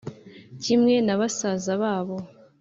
kimwe nabasaza babo